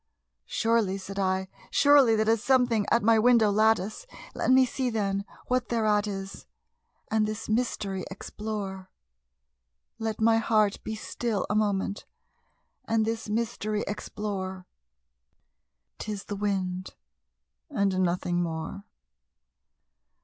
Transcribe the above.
"Surely," said I, "surely that is something at my window lattice; Let me see, then, what thereat is, and this mystery explore Let my heart be still a moment, and this mystery explore; 'Tis the wind and nothing more."